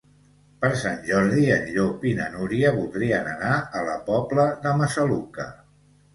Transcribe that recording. Per Sant Jordi en Llop i na Núria voldrien anar a la Pobla de Massaluca.